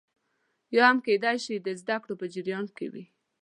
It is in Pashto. یا هم کېدای شي د زده کړو په جریان کې وي